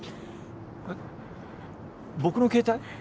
えっ僕の携帯？